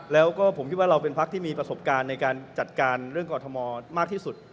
แล้วก็ผมคิดว่าเราเป็นพักที่มีประสบการณ์ในการจัดการเรื่องกรทมมากที่สุด